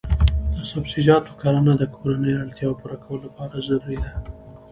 د سبزیجاتو کرنه د کورنیو اړتیاوو پوره کولو لپاره ضروري ده.